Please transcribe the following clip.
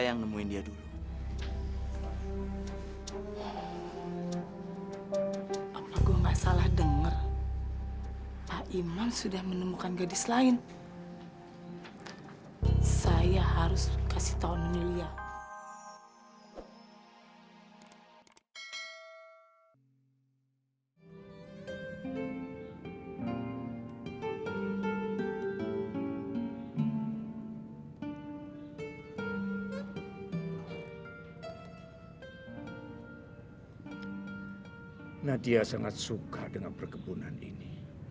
nadia sangat suka dengan perkebunan ini